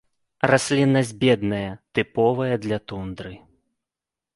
Расліннасць бедная, тыповая для тундры.